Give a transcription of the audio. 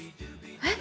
えっ？